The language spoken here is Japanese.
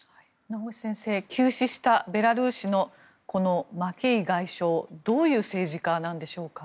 名越先生、急死したベラルーシのこのマケイ外相どういう政治家なんでしょうか。